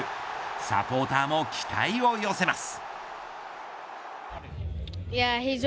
サポーターも期待を寄せます。